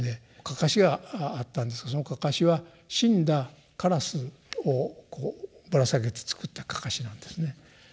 かかしがあったんですがそのかかしは死んだカラスをぶら下げて作ったかかしなんですね。